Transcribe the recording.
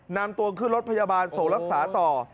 นำตัวขึ้นรถพยาบาลส่งรักษาต่อ